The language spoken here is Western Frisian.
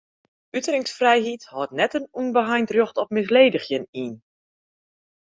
Uteringsfrijheid hâldt net in ûnbeheind rjocht op misledigjen yn.